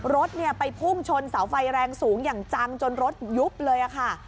รถไปพุ่งชนเสาไฟแรงสูงอย่างจังจนรถยุบเลยค่ะ